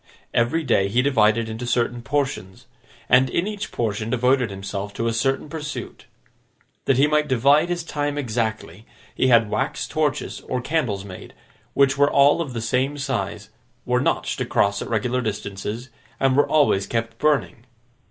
Every day he divided into certain portions, and in each portion devoted himself to a certain pursuit. That he might divide his time exactly, he had wax torches or candles made, which were all of the same size, were notched across at regular distances, and were always kept burning.